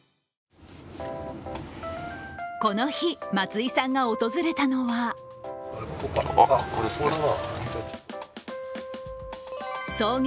この日、松井さんが訪れたのは創業